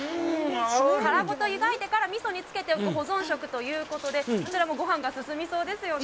殻ごと湯がいてから味噌につけて、保存食ということで、こちらもごはんがすすみそうですよね。